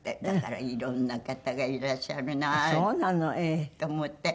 だからいろんな方がいらっしゃるなと思って。